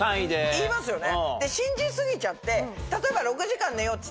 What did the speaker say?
いいますよね。